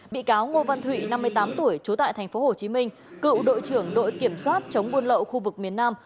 bị cáo ngô văn thụy năm mươi tám tuổi chố tại thành phố hồ chí minh cựu đội trưởng đội kiểm soát chống buôn lậu khu vực miền nam